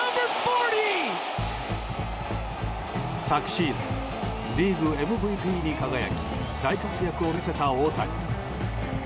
昨シーズンリーグＭＶＰに輝き大活躍を見せた大谷。